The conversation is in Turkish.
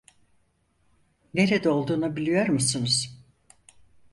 Nerede olduğunu biliyor musunuz?